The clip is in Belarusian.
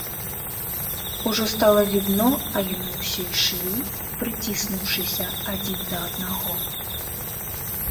Ужо стала відно, а яны ўсё ішлі, прыціснуўшыся адзін да аднаго.